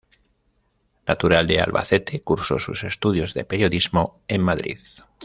Natural de Albacete, cursó sus estudios de periodismo en Madrid.